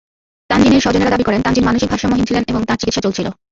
তানজিনের স্বজনেরা দাবি করেন, তানজিন মানসিক ভারসাম্যহীন ছিলেন এবং তাঁর চিকিৎসা চলছিল।